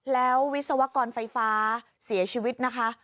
แล้ววิศวกรไฟฟ้าเสียชีวิตนะคะ